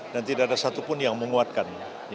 dan tidak ada satupun yang menguatkan